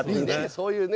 そういうね